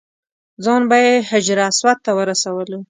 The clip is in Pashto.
ځان به یې حجر اسود ته ورسولو.